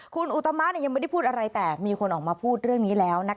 คุณอุตมะยังไม่ได้พูดอะไรแต่มีคนออกมาพูดเรื่องนี้แล้ว